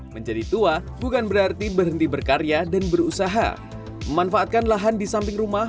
menjadi tua bukan berarti berhenti berkarya dan berusaha memanfaatkan lahan di samping rumah